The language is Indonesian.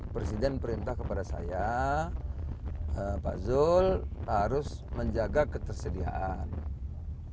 presiden perintah kepada saya pak zul harus menjaga ketersediaan